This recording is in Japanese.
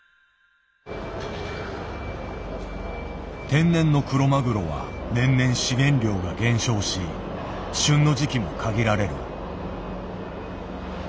天然のクロマグロは年々資源量が減少し旬の時期も限られる。